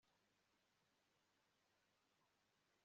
nururimi rutanga ibitekerezo bishobora